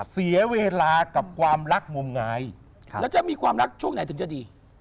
เสียเวลากับความรักมงายแล้วจะมีความรักช่วงไหนถึงจะดี